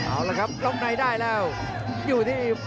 ขวางแขงขวาเจอเททิ้ง